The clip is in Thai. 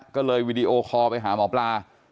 ก็เลยวีดีโอคอลไปหาหมอปลา